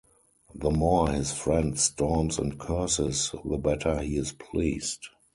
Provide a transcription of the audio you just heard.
The more his friend storms and curses, the better he is pleased.